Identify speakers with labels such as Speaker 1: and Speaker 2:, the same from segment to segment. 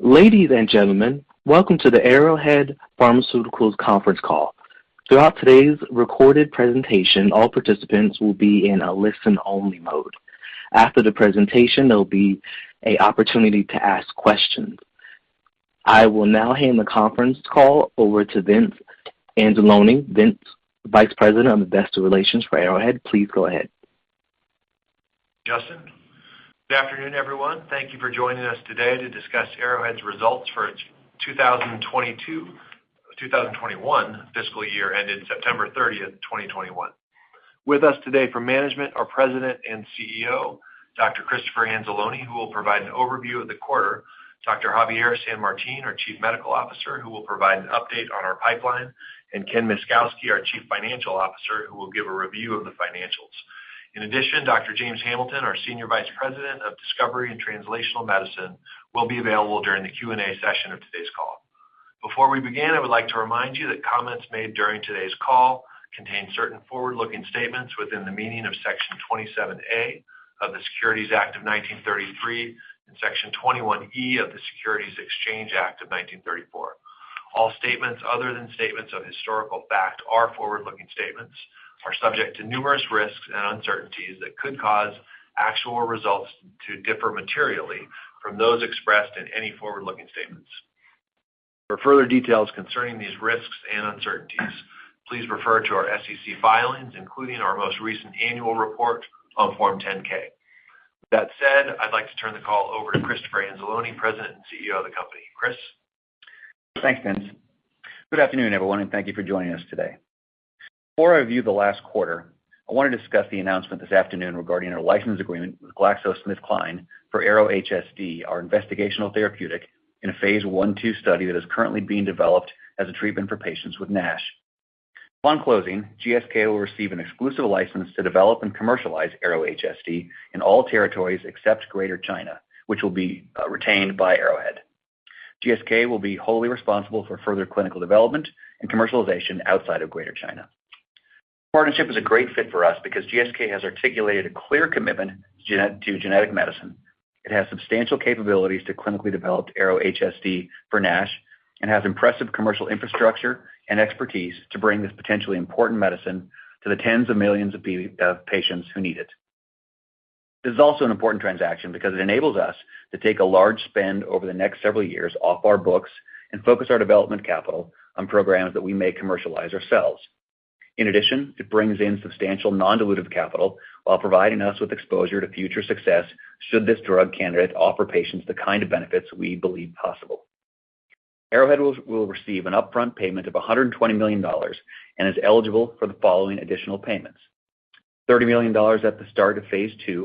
Speaker 1: Ladies and gentlemen, welcome to the Arrowhead Pharmaceuticals conference call. Throughout today's recorded presentation, all participants will be in a listen-only mode. After the presentation, there'll be an opportunity to ask questions. I will now hand the conference call over to Vince Anzalone. Vince, Vice President of Investor Relations for Arrowhead, please go ahead.
Speaker 2: Good afternoon, everyone. Thank you for joining us today to discuss Arrowhead's results for its 2021 fiscal year ended September 30, 2021. With us today for management, our President and CEO, Dr. Christopher Anzalone, who will provide an overview of the quarter, Dr. Javier San Martin, our Chief Medical Officer, who will provide an update on our pipeline, and Ken Myszkowski, our Chief Financial Officer, who will give a review of the financials. In addition, Dr. James Hamilton, our Senior Vice President of Discovery and Translational Medicine, will be available during the Q&A session of today's call. Before we begin, I would like to remind you that comments made during today's call contain certain forward-looking statements within the meaning of Section 27A of the Securities Act of 1933 and Section 21E of the Securities Exchange Act of 1934. All statements other than statements of historical fact are forward-looking statements subject to numerous risks and uncertainties that could cause actual results to differ materially from those expressed in any forward-looking statements. For further details concerning these risks and uncertainties, please refer to our SEC filings, including our most recent annual report on Form 10-K. That said, I'd like to turn the call over to Christopher Anzalone, President and CEO of the company. Chris.
Speaker 3: Thanks, Vince. Good afternoon, everyone, and thank you for joining us today. Before I review the last quarter, I want to discuss the announcement this afternoon regarding our license agreement with GlaxoSmithKline for ARO-HSD, our investigational therapeutic in a phase I/II study that is currently being developed as a treatment for patients with NASH. Upon closing, GSK will receive an exclusive license to develop and commercialize ARO-HSD in all territories except Greater China, which will be retained by Arrowhead. GSK will be wholly responsible for further clinical development and commercialization outside of Greater China. Partnership is a great fit for us because GSK has articulated a clear commitment to genetic medicine. It has substantial capabilities to clinically develop ARO-HSD for NASH and has impressive commercial infrastructure and expertise to bring this potentially important medicine to the tens of millions of patients who need it. This is also an important transaction because it enables us to take a large spend over the next several years off our books and focus our development capital on programs that we may commercialize ourselves. In addition, it brings in substantial non-dilutive capital while providing us with exposure to future success should this drug candidate offer patients the kind of benefits we believe possible. Arrowhead will receive an upfront payment of $120 million and is eligible for the following additional payments. $30 million at the start of phase II,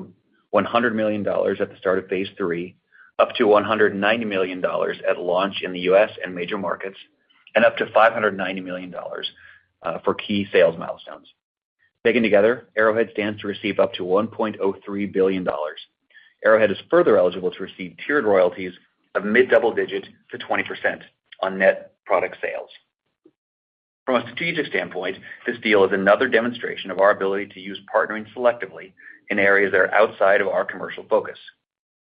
Speaker 3: $100 million at the start of phase III, up to $190 million at launch in the U.S. and major markets, and up to $590 million for key sales milestones. Taken together, Arrowhead stands to receive up to $1.03 billion. Arrowhead is further eligible to receive tiered royalties of mid-double digit to 20% on net product sales. From a strategic standpoint, this deal is another demonstration of our ability to use partnering selectively in areas that are outside of our commercial focus.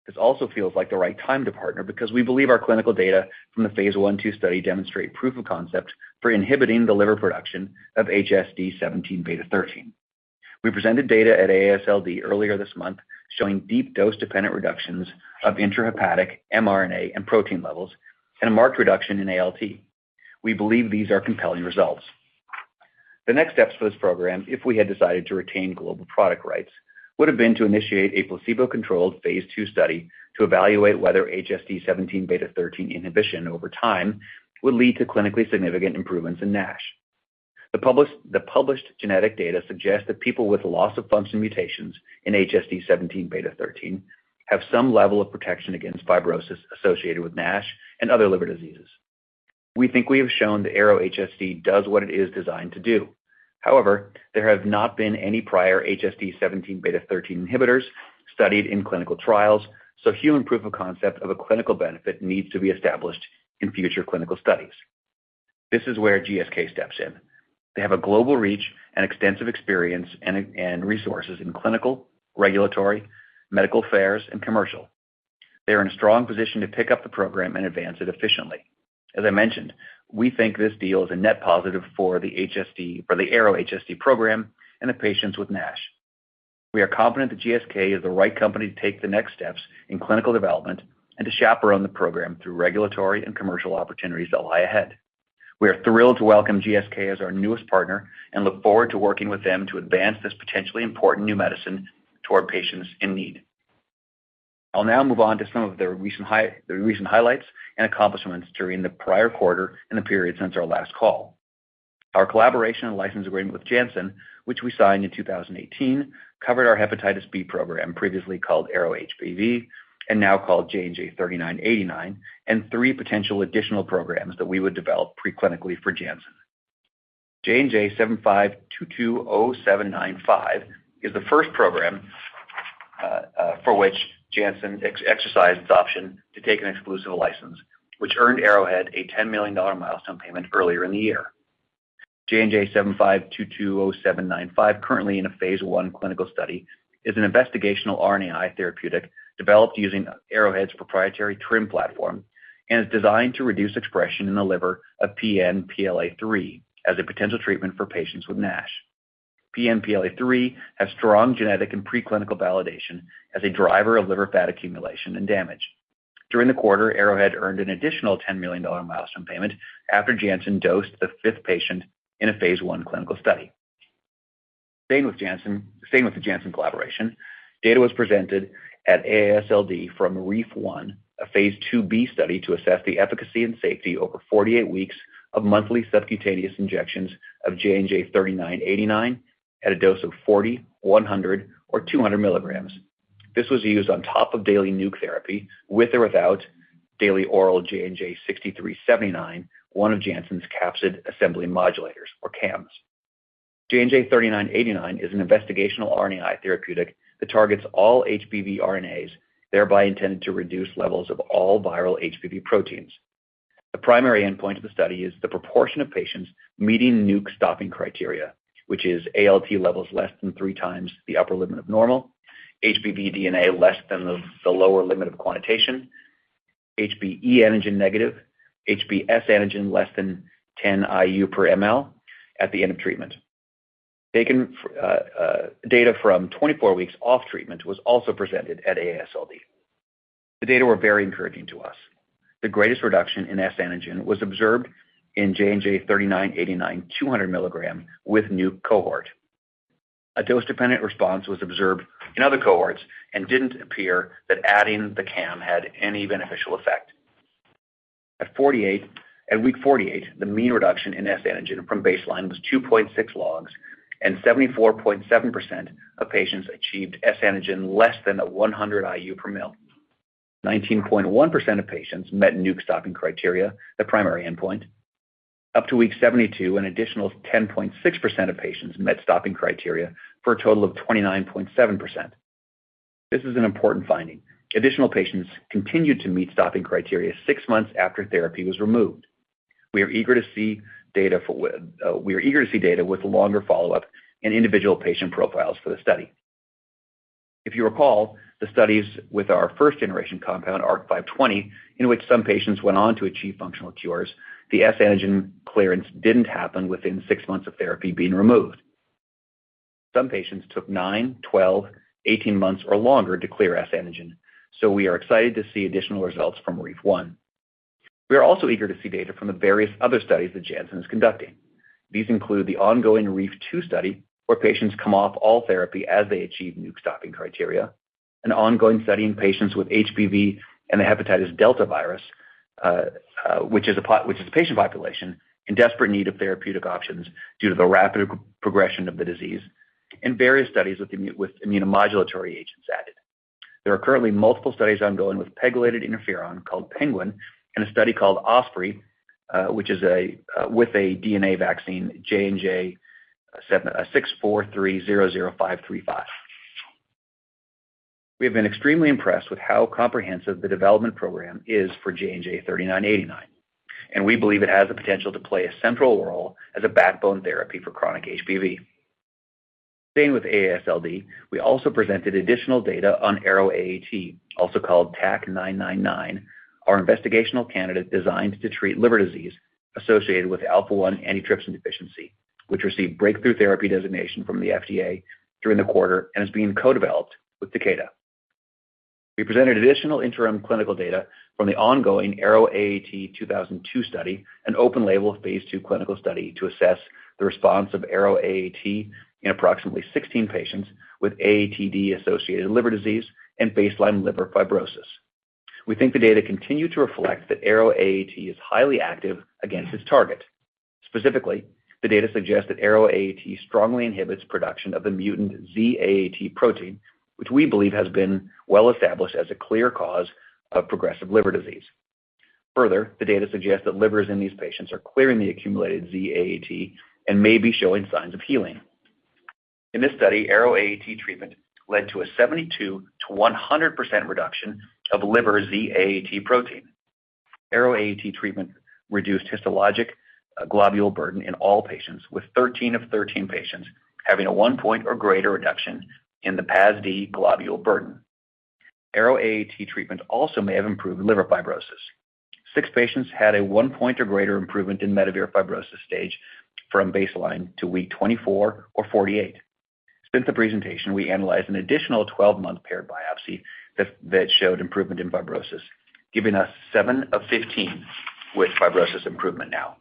Speaker 3: This also feels like the right time to partner because we believe our clinical data from the phase I/II study demonstrate proof of concept for inhibiting the liver production of HSD17B13. We presented data at AASLD earlier this month showing deep dose-dependent reductions of intrahepatic mRNA and protein levels and a marked reduction in ALT. We believe these are compelling results. The next steps for this program, if we had decided to retain global product rights, would have been to initiate a placebo-controlled phase II study to evaluate whether HSD17B13 inhibition over time would lead to clinically significant improvements in NASH. The published genetic data suggest that people with loss-of-function mutations in HSD17B13 have some level of protection against fibrosis associated with NASH and other liver diseases. We think we have shown the ARO-HSD does what it is designed to do. However, there have not been any prior HSD17B13 inhibitors studied in clinical trials, so human proof of concept of a clinical benefit needs to be established in future clinical studies. This is where GSK steps in. They have a global reach and extensive experience and resources in clinical, regulatory, medical affairs, and commercial. They are in a strong position to pick up the program and advance it efficiently. As I mentioned, we think this deal is a net positive for the HSD or the ARO-HSD program and the patients with NASH. We are confident that GSK is the right company to take the next steps in clinical development and to chaperone the program through regulatory and commercial opportunities that lie ahead. We are thrilled to welcome GSK as our newest partner and look forward to working with them to advance this potentially important new medicine to our patients in need. I'll now move on to some of the recent highlights and accomplishments during the prior quarter and the period since our last call. Our collaboration and license agreement with Janssen, which we signed in 2018, covered our hepatitis B program, previously called ARO-HBV and now called JNJ-3989, and three potential additional programs that we would develop pre-clinically for Janssen. JNJ-75220795 is the first program for which Janssen exercised its option to take an exclusive license, which earned Arrowhead a $10 million milestone payment earlier in the year. JNJ-75220795, currently in a phase I clinical study, is an investigational RNAi therapeutic developed using Arrowhead's proprietary TRiM platform and is designed to reduce expression in the liver of PNPLA3 as a potential treatment for patients with NASH. PNPLA3 has strong genetic and preclinical validation as a driver of liver fat accumulation and damage. During the quarter, Arrowhead earned an additional $10 million milestone payment after Janssen dosed the fifth patient in a phase I clinical study. Staying with the Janssen collaboration, data was presented at AASLD from REVEAL 1, a phase IIb study to assess the efficacy and safety over 48 weeks of monthly subcutaneous injections of JNJ-3989 at a dose of 40, 100, or 200 milligrams. This was used on top of daily NUC therapy with or without daily oral JNJ-6379, one of Janssen's capsid assembly modulators or CAMs. JNJ-3989 is an investigational RNAi therapeutic that targets all HBV RNAs, thereby intended to reduce levels of all viral HBV proteins. The primary endpoint of the study is the proportion of patients meeting NUC stopping criteria, which is ALT levels less than 3 times the upper limit of normal, HBV DNA less than the lower limit of quantitation, HBe antigen negative, HBs antigen less than 10 IU per mL at the end of treatment. Data from 24 weeks off treatment was also presented at AASLD. The data were very encouraging to us. The greatest reduction in S antigen was observed in JNJ-3989 200 milligram with nuke cohort. A dose-dependent response was observed in other cohorts and didn't appear that adding the CAM had any beneficial effect. At week 48, the mean reduction in S antigen from baseline was 2.6 logs and 74.7% of patients achieved S antigen less than 100 IU per ml. 19.1% of patients met nuke stopping criteria, the primary endpoint. Up to week 72, an additional 10.6% of patients met stopping criteria for a total of 29.7%. This is an important finding. Additional patients continued to meet stopping criteria six months after therapy was removed. We are eager to see data with longer follow-up and individual patient profiles for the study. If you recall the studies with our first-generation compound ARC-520, in which some patients went on to achieve functional cures, the S antigen clearance didn't happen within 6 months of therapy being removed. Some patients took 9, 12, 18 months or longer to clear S antigen, so we are excited to see additional results from REEF-1. We are also eager to see data from the various other studies that Janssen is conducting. These include the ongoing REEF-2 study, where patients come off all therapy as they achieve nuke stopping criteria, an ongoing study in patients with HBV and the hepatitis delta virus, which is a patient population in desperate need of therapeutic options due to the rapid progression of the disease, and various studies with immunomodulatory agents added. There are currently multiple studies ongoing with pegylated interferon called PENGUIN and a study called OSPREY with a DNA vaccine, JNJ-64300535. We have been extremely impressed with how comprehensive the development program is for JNJ-3989, and we believe it has the potential to play a central role as a backbone therapy for chronic HBV. Staying with AASLD, we also presented additional data on ARO-AAT, also called TAK-999, our investigational candidate designed to treat liver disease associated with Alpha-1 antitrypsin deficiency, which received Breakthrough Therapy designation from the FDA during the quarter and is being co-developed with Takeda. We presented additional interim clinical data from the ongoing ARO-AAT 2002 study, an open-label phase II clinical study to assess the response of ARO-AAT in approximately 16 patients with AATD-associated liver disease and baseline liver fibrosis. We think the data continue to reflect that ARO-AAT is highly active against its target. Specifically, the data suggest that ARO-AAT strongly inhibits production of the mutant Z-AAT protein, which we believe has been well established as a clear cause of progressive liver disease. Further, the data suggest that livers in these patients are clearing the accumulated Z-AAT and may be showing signs of healing. In this study, ARO-AAT treatment led to a 72%-100% reduction of liver Z-AAT protein. ARO-AAT treatment reduced histologic globule burden in all patients, with 13 of 13 patients having a 1-point or greater reduction in the PAS-D globule burden. ARO-AAT treatment also may have improved liver fibrosis. Six patients had a 1-point or greater improvement in METAVIR fibrosis stage from baseline to week 24 or 48. Since the presentation, we analyzed an additional 12-month paired biopsy that showed improvement in fibrosis, giving us 7 of 15 with fibrosis improvement now.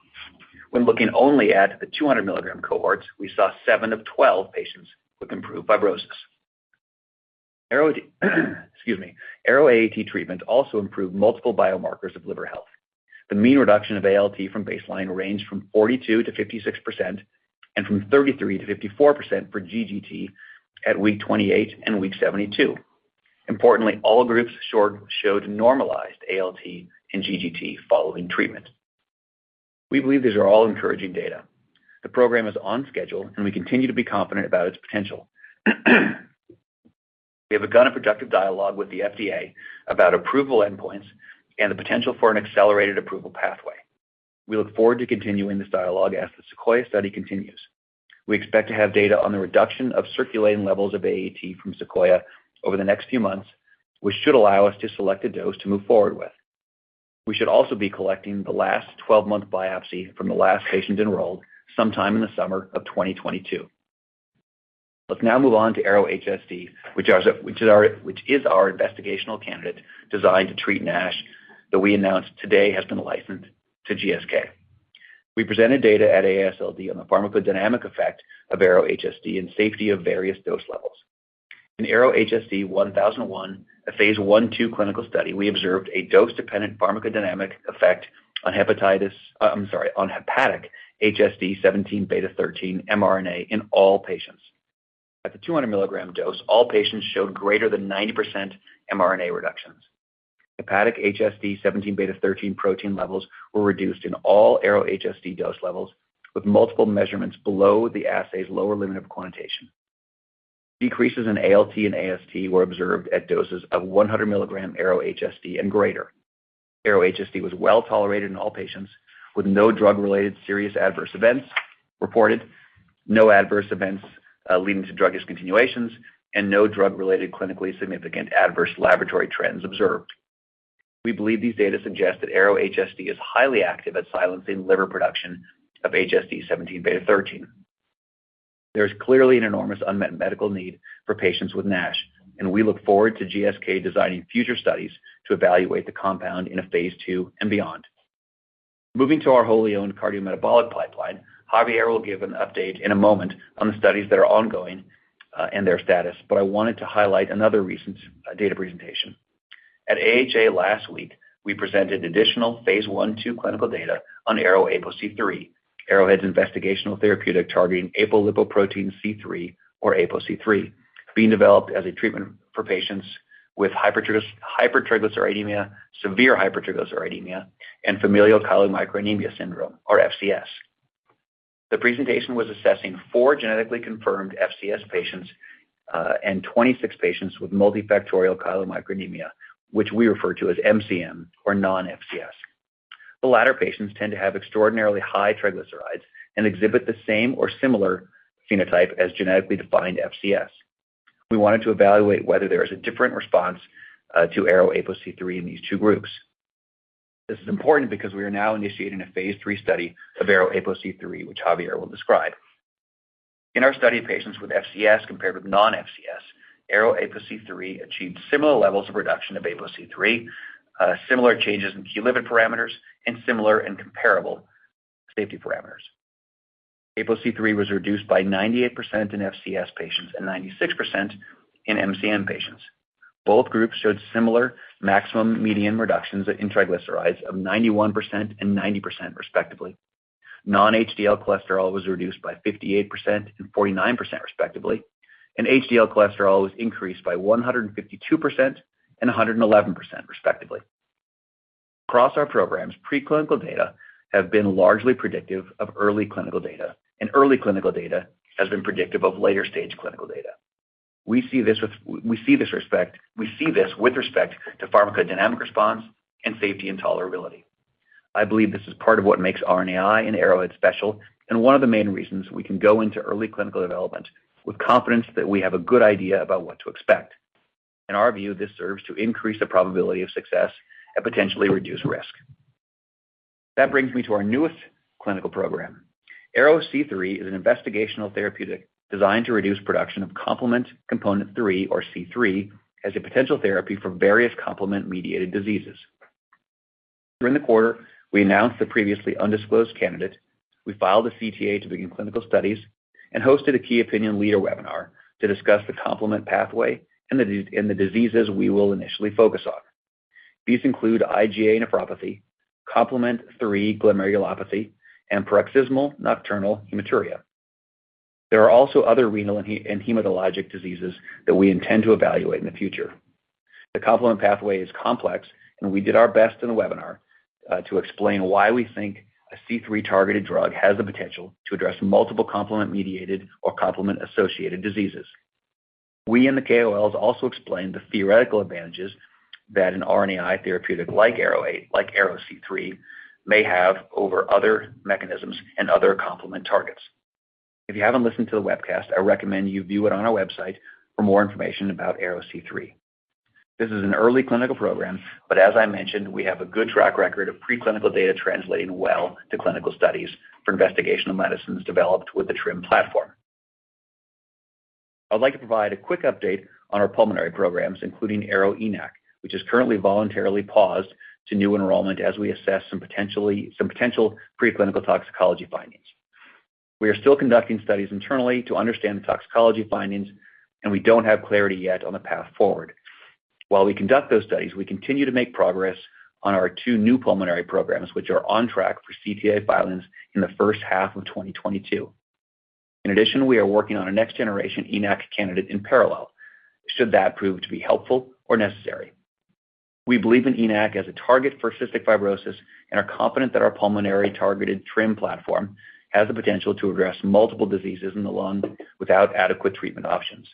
Speaker 3: When looking only at the 200 milligram cohorts, we saw 7 of 12 patients with improved fibrosis. ARO-AAT treatment also improved multiple biomarkers of liver health. The mean reduction of ALT from baseline ranged from 42%-56% and from 33%-54% for GGT at week 28 and week 72. Importantly, all groups showed normalized ALT and GGT following treatment. We believe these are all encouraging data. The program is on schedule, and we continue to be confident about its potential. We have begun a productive dialogue with the FDA about approval endpoints and the potential for an accelerated approval pathway. We look forward to continuing this dialogue as the SEQUOIA study continues. We expect to have data on the reduction of circulating levels of AAT from SEQUOIA over the next few months, which should allow us to select a dose to move forward with. We should also be collecting the last 12-month biopsy from the last patients enrolled sometime in the summer of 2022. Let's now move on to ARO-HSD, which is our investigational candidate designed to treat NASH that we announced today has been licensed to GSK. We presented data at AASLD on the pharmacodynamic effect of ARO-HSD and safety of various dose levels. In AROHSD1001, a phase I/II clinical study, we observed a dose-dependent pharmacodynamic effect on hepatic HSD17B13 mRNA in all patients. At the 200 milligram dose, all patients showed greater than 90% mRNA reductions. Hepatic HSD17B13 protein levels were reduced in all ARO-HSD dose levels, with multiple measurements below the assay's lower limit of quantitation. Decreases in ALT and AST were observed at doses of 100 milligram ARO-HSD and greater. ARO-HSD was well-tolerated in all patients with no drug-related serious adverse events reported, no adverse events leading to drug discontinuations, and no drug-related clinically significant adverse laboratory trends observed. We believe these data suggest that ARO-HSD is highly active at silencing liver production of HSD17B13. There is clearly an enormous unmet medical need for patients with NASH, and we look forward to GSK designing future studies to evaluate the compound in a phase II and beyond. Moving to our wholly-owned cardiometabolic pipeline, Javier will give an update in a moment on the studies that are ongoing and their status, but I wanted to highlight another recent data presentation. At AHA last week, we presented additional phase I/II clinical data on ARO-APOC3, Arrowhead's investigational therapeutic targeting apolipoprotein C-III or APOC-III, being developed as a treatment for patients with hypertriglyceridemia, severe hypertriglyceridemia, and familial chylomicronemia syndrome or FCS. The presentation was assessing four genetically confirmed FCS patients and 26 patients with multifactorial chylomicronemia, which we refer to as MCM or non-FCS. The latter patients tend to have extraordinarily high triglycerides and exhibit the same or similar phenotype as genetically defined FCS. We wanted to evaluate whether there is a different response to ARO-APOC3 in these two groups. This is important because we are now initiating a phase III study of ARO-APOC3, which Javier will describe. In our study of patients with FCS compared with non-FCS, ARO-APOC3 achieved similar levels of reduction of APOC-III, similar changes in key liver parameters, and similar and comparable safety parameters. APOC-III was reduced by 98% in FCS patients and 96% in MCM patients. Both groups showed similar maximum median reductions in triglycerides of 91% and 90% respectively. Non-HDL cholesterol was reduced by 58% and 49% respectively, and HDL cholesterol was increased by 152% and 111% respectively. Across our programs, preclinical data have been largely predictive of early clinical data, and early clinical data has been predictive of later-stage clinical data. We see this with respect to pharmacodynamic response and safety and tolerability. I believe this is part of what makes RNAi and Arrowhead special and one of the main reasons we can go into early clinical development with confidence that we have a good idea about what to expect. In our view, this serves to increase the probability of success and potentially reduce risk. That brings me to our newest clinical program. ARO-C3 is an investigational therapeutic designed to reduce production of complement component 3 or C3 as a potential therapy for various complement-mediated diseases. During the quarter, we announced the previously undisclosed candidate. We filed a CTA to begin clinical studies and hosted a key opinion leader webinar to discuss the complement pathway and the diseases we will initially focus on. These include IgA nephropathy, complement 3 glomerulopathy, and paroxysmal nocturnal hemoglobinuria. There are also other renal and hematologic diseases that we intend to evaluate in the future. The complement pathway is complex, and we did our best in the webinar to explain why we think a C3-targeted drug has the potential to address multiple complement-mediated or complement-associated diseases. We and the KOLs also explained the theoretical advantages that an RNAi therapeutic like ARO-C3 may have over other mechanisms and other complement targets. If you haven't listened to the webcast, I recommend you view it on our website for more information about ARO-C3. This is an early clinical program, but as I mentioned, we have a good track record of preclinical data translating well to clinical studies for investigational medicines developed with the TRiM platform. I'd like to provide a quick update on our pulmonary programs, including ARO-ENaC, which is currently voluntarily paused to new enrollment as we assess some potential preclinical toxicology findings. We are still conducting studies internally to understand the toxicology findings, and we don't have clarity yet on the path forward. While we conduct those studies, we continue to make progress on our two new pulmonary programs, which are on track for CTA filings in the first half of 2022. In addition, we are working on a next-generation ENaC candidate in parallel should that prove to be helpful or necessary. We believe in ENaC as a target for cystic fibrosis and are confident that our pulmonary targeted TRiM platform has the potential to address multiple diseases in the lung without adequate treatment options.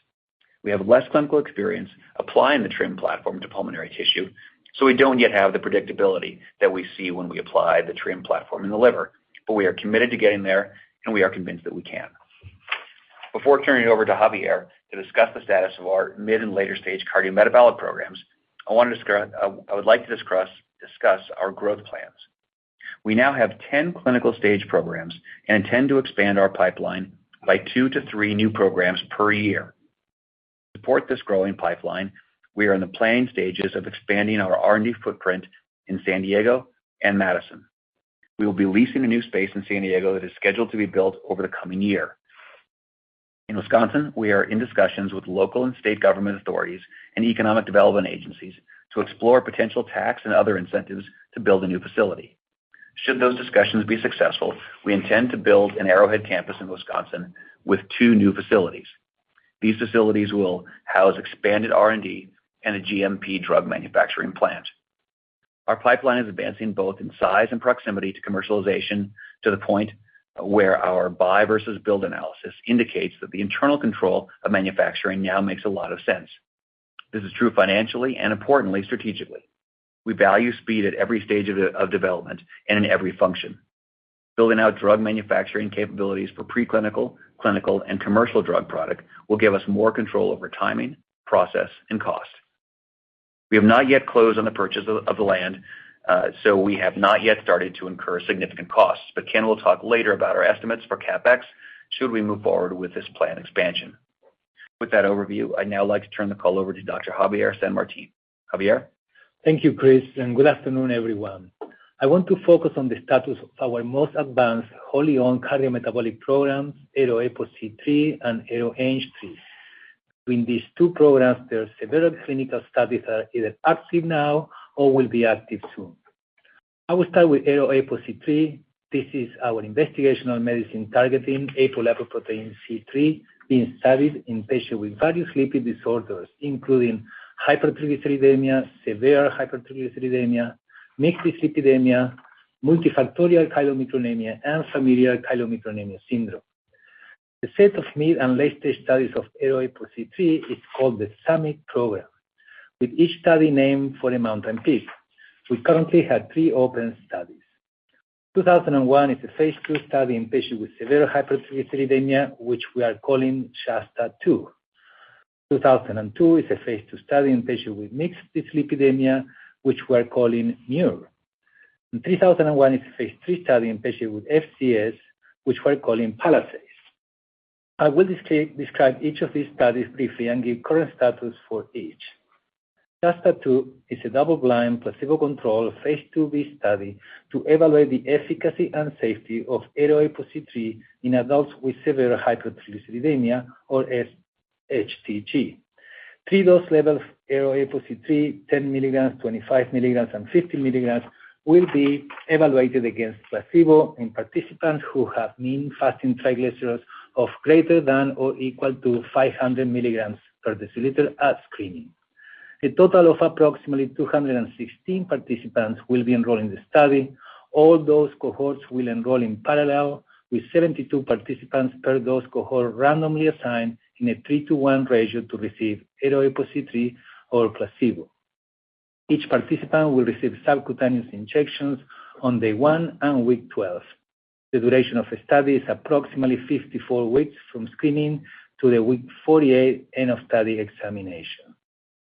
Speaker 3: We have less clinical experience applying the TRiM platform to pulmonary tissue, so we don't yet have the predictability that we see when we apply the TRiM platform in the liver. We are committed to getting there, and we are convinced that we can. Before turning it over to Javier to discuss the status of our mid- and later-stage cardiometabolic programs, I would like to discuss our growth plans. We now have 10 clinical stage programs and intend to expand our pipeline by 2-3 new programs per year. To support this growing pipeline, we are in the planning stages of expanding our R&D footprint in San Diego and Madison. We will be leasing a new space in San Diego that is scheduled to be built over the coming year. In Wisconsin, we are in discussions with local and state government authorities and economic development agencies to explore potential tax and other incentives to build a new facility. Should those discussions be successful, we intend to build an Arrowhead campus in Wisconsin with two new facilities. These facilities will house expanded R&D and a GMP drug manufacturing plant. Our pipeline is advancing both in size and proximity to commercialization to the point where our buy versus build analysis indicates that the internal control of manufacturing now makes a lot of sense. This is true financially and importantly strategically. We value speed at every stage of development and in every function. Building out drug manufacturing capabilities for pre-clinical, clinical, and commercial drug product will give us more control over timing, process, and cost. We have not yet closed on the purchase of the land, so we have not yet started to incur significant costs. Ken will talk later about our estimates for CapEx should we move forward with this planned expansion. With that overview, I'd now like to turn the call over to Dr. Javier San Martin. Javier.
Speaker 4: Thank you, Chris, and good afternoon, everyone. I want to focus on the status of our most advanced wholly-owned cardiometabolic programs, ARO-APOC3 and ARO-ANG3. Between these two programs, there are several clinical studies that are either active now or will be active soon. I will start with ARO-APOC3. This is our investigational medicine targeting apolipoprotein C-III, being studied in patients with various lipid disorders, including hypertriglyceridemia, severe hypertriglyceridemia, mixed dyslipidemia, multifactorial chylomicronemia, and familial chylomicronemia syndrome. The set of mid- and late-stage studies of ARO-APOC3 is called the SUMMIT program, with each study named for a mountain peak. We currently have three open studies. 2001 is a phase II study in patients with severe hypertriglyceridemia, which we are calling SHASTA-2; 2002 is a phase II study in patients with mixed dyslipidemia, which we're calling MUIR. 3001 is a phase III study in patients with FCS, which we're calling PALISADE. I will describe each of these studies briefly and give current status for each. SHASTA-2 is a double-blind, placebo-controlled phase IIb study to evaluate the efficacy and safety of ARO-APOC3 in adults with severe hypertriglyceridemia or sHTG. Three dose levels of ARO-APOC3, 10 mg, 25 mg, and 50 mg, will be evaluated against placebo in participants who have mean fasting triglycerides of ≥500 mg/dL at screening. A total of approximately 216 participants will be enrolled in the study. All those cohorts will enroll in parallel with 72 participants per dose cohort randomly assigned in a 3-to-1 ratio to receive ARO-APOC3 or placebo. Each participant will receive subcutaneous injections on day 1 and week 12. The duration of the study is approximately 54 weeks from screening to the week 48 end of study examination.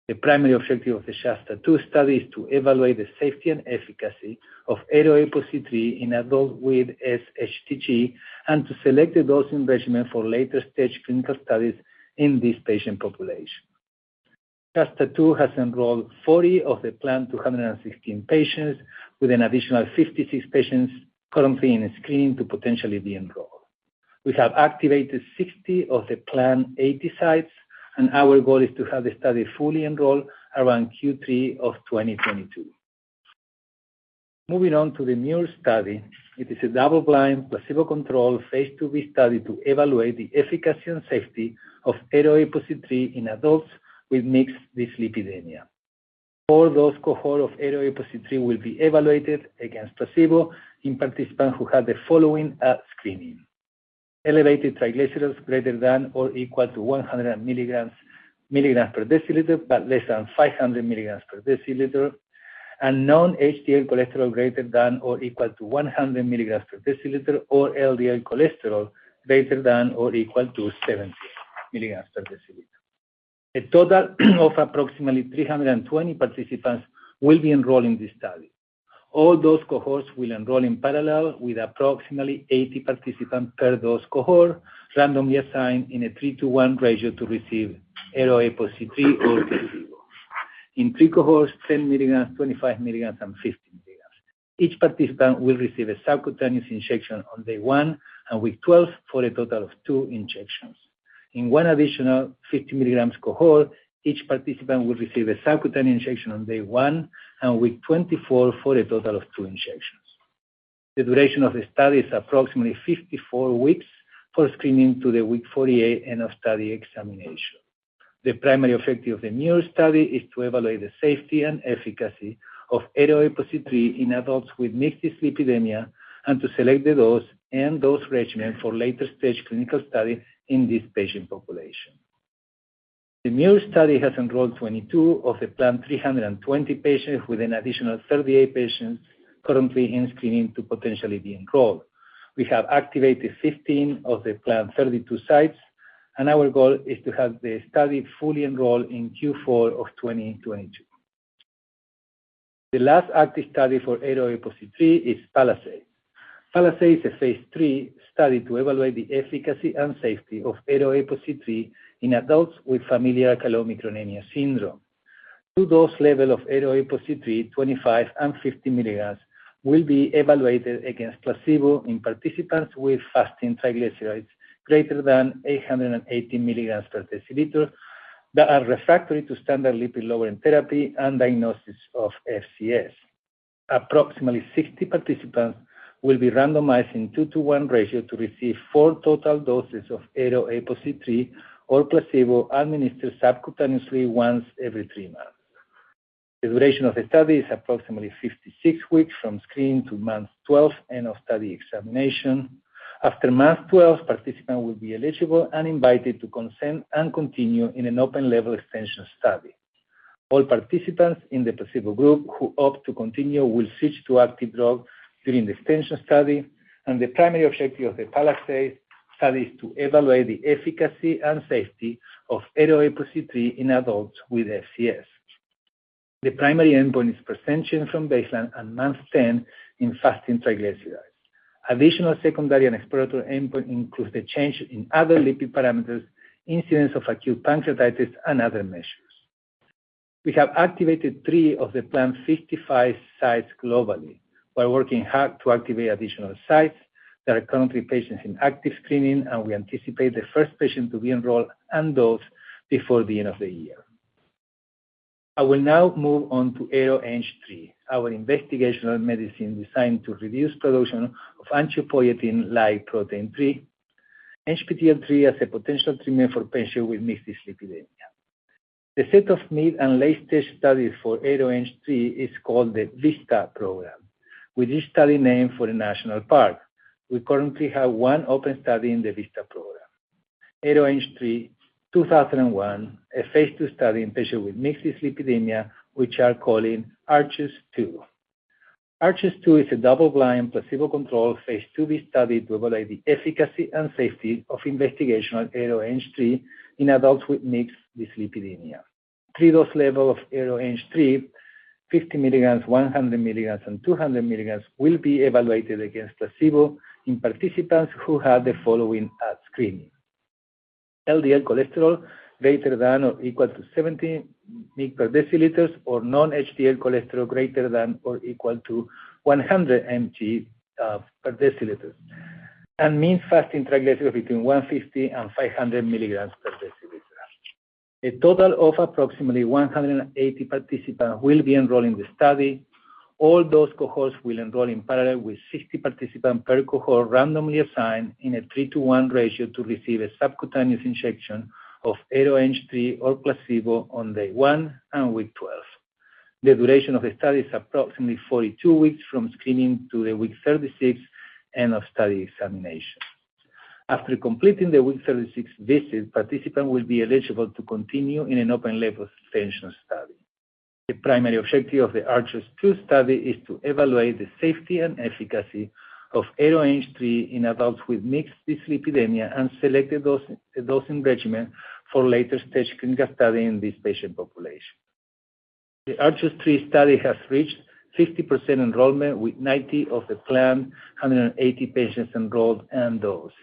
Speaker 4: The primary objective of the SHASTA-2 study is to evaluate the safety and efficacy of ARO-APOC3 in adults with sHTG and to select a dosing regimen for later-stage clinical studies in this patient population. SHASTA-2 has enrolled 40 of the planned 216 patients, with an additional 56 patients currently in screening to potentially be enrolled. We have activated 60 of the planned 80 sites, and our goal is to have the study fully enrolled around Q3 of 2022. Moving on to the MUIR study. It is a double-blind, placebo-controlled phase IIb study to evaluate the efficacy and safety of ARO-APOC3 in adults with mixed dyslipidemia. Four dose cohort of ARO-APOC3 will be evaluated against placebo in participants who have the following at screening. Elevated triglycerides greater than or equal to 100 mg/dL but less than 500 mg/dL. Known HDL cholesterol greater than or equal to 100 mg/dL, or LDL cholesterol greater than or equal to 70 mg/dL. A total of approximately 320 participants will be enrolled in this study. All dose cohorts will enroll in parallel with approximately 80 participants per dose cohort randomly assigned in a 3:1 ratio to receive ARO-APOC3 or placebo. In three cohorts, 10 mg, 25 mg, and 50 mg. Each participant will receive a subcutaneous injection on day 1 and week 12 for a total of two injections. In one additional 50 milligrams cohort, each participant will receive a subcutaneous injection on day 1 and week 24 for a total of two injections. The duration of the study is approximately 54 weeks for screening to the week 48 end of study examination. The primary effect of the MUSE study is to evaluate the safety and efficacy of ARO-APOC3 in adults with mixed dyslipidemia and to select the dose and dose regimen for later-stage clinical studies in this patient population. The MUSE study has enrolled 22 of the planned 320 patients, with an additional 38 patients currently in screening to potentially be enrolled. We have activated 15 of the planned 32 sites, and our goal is to have the study fully enrolled in Q4 of 2022. The last active study for ARO-APOC3 is PALISADE. PALISADE is a phase III study to evaluate the efficacy and safety of ARO-APOC3 in adults with familial chylomicronemia syndrome 2 dose level of ARO-APOC3, 25 and 50 milligrams, will be evaluated against placebo in participants with fasting triglycerides greater than 880 milligrams per deciliter that are refractory to standard lipid-lowering therapy and diagnosis of FCS. Approximately 60 participants will be randomized in 2-to-1 ratio to receive 4 total doses of ARO-APOC3 or placebo administered subcutaneously once every three months. The duration of the study is approximately 56 weeks from screen to month 12 and of study examination. After month 12, participants will be eligible and invited to consent and continue in an open-label extension study. All participants in the placebo group who opt to continue will switch to active drug during the extension study. The primary objective of the PALISADE study is to evaluate the efficacy and safety of ARO-APOC3 in adults with FCS. The primary endpoint is % change from baseline at month 10 in fasting triglycerides. Additional secondary and exploratory endpoints include the change in other lipid parameters, incidence of acute pancreatitis, and other measures. We have activated 3 of the planned 55 sites globally. We're working hard to activate additional sites. There are currently patients in active screening, and we anticipate the first patient to be enrolled and dosed before the end of the year. I will now move on to ARO-APOC3, our investigational medicine designed to reduce production of angiopoietin-like protein 3. ANGPTL3 is a potential treatment for patients with mixed dyslipidemia. The set of lead and late-stage studies for ARO-ANG3 is called the VISTA program, with each study named for the national park. We currently have one open study in the VISTA program, ARO-ANG3-2001, a phase II study in patients with mixed dyslipidemia, which we're calling ARCHES-2. ARCHES-2 is a double-blind, placebo-controlled phase IIb study to evaluate the efficacy and safety of investigational ARO-ANG3 in adults with mixed dyslipidemia. Three dose levels of ARO-ANG3, 50 mg, 100 mg, and 200 mg, will be evaluated against placebo in participants who have the following at screening, LDL cholesterol greater than or equal to 70 mg/dL or non-HDL cholesterol greater than or equal to 100 mg/dL, and mean fasting triglycerides between 150 and 500 mg/dL. A total of approximately 180 participants will be enrolled in the study. All those cohorts will enroll in parallel with 60 participants per cohort randomly assigned in a 3:1 ratio to receive a subcutaneous injection of ARO-ANG3 or placebo on day one and week twelve. The duration of the study is approximately 42 weeks from screening to the week 36 end of study examination. After completing the week 36 visit, participant will be eligible to continue in an open-label extension study. The primary objective of the ARCHES-2 study is to evaluate the safety and efficacy of ARO-ANG3 in adults with mixed dyslipidemia and selected dose, dosing regimen for later-stage clinical study in this patient population. The ARCHES-2 study has reached 60% enrollment with 90 of the planned 180 patients enrolled and dosed,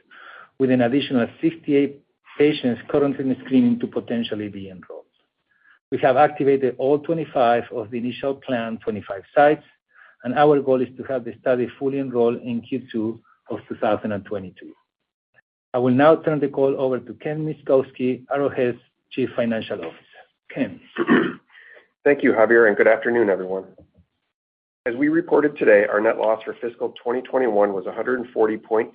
Speaker 4: with an additional 68 patients currently in screening to potentially be enrolled. We have activated all 25 of the initial planned 25 sites, and our goal is to have the study fully enrolled in Q2 of 2022. I will now turn the call over to Ken Myszkowski, Arrowhead's Chief Financial Officer. Ken.
Speaker 5: Thank you, Javier, and good afternoon, everyone. As we reported today, our net loss for fiscal 2021 was $140.8